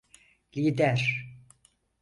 Lider!